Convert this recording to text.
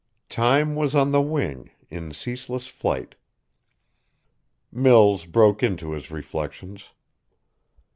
Time was on the wing, in ceaseless flight. Mills broke into his reflections.